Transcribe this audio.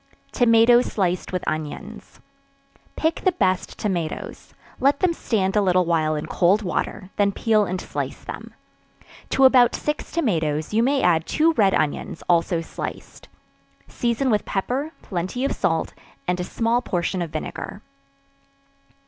Tomatoes sliced with Onions. Pick the best tomatoes; let them stand a little while in cold water, then peel and slice them. To about six tomatoes, you may add two red onions, also sliced; season with pepper, plenty of salt, and a small portion of vinegar.